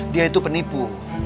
dia itu penipu